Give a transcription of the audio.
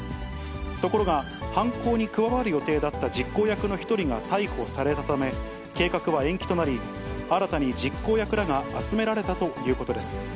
ところが、犯行に加わる予定だった実行役の１人が逮捕されたため、計画は延期となり、新たに実行役らが集められたということです。